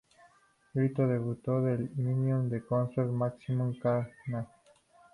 Grito debutó al inicio del crossover "Maximum Carnage".